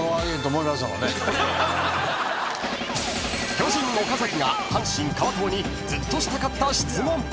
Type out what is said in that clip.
［巨人岡崎が阪神川藤にずっとしたかった質問］